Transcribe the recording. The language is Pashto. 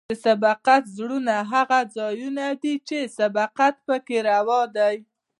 د سبقت زونونه هغه ځایونه دي چې سبقت پکې روا دی